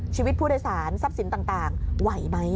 ชีวิตผู้โดยสารทรัพย์สินต่างไหวไหม